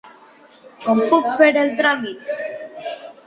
Com puc fer el tràmit?